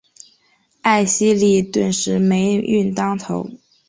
艾希莉顿时霉运当头。